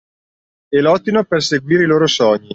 E lottino per seguire i loro sogni.